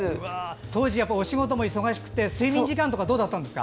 当時お仕事も忙しくて睡眠時間とかどうだったんですか？